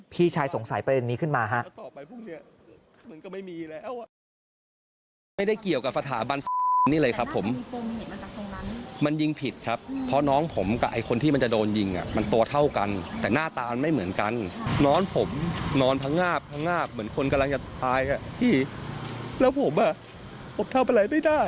พี่ชายสงสัยประเด็นนี้ขึ้นมาฮะ